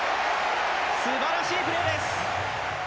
すばらしいプレーです。